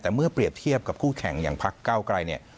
แต่เมื่อเปรียบเทียบกับผู้แข่งอย่างภาคเก้าไกล